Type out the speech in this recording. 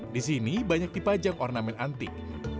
di sini banyak dipajang ornamen antik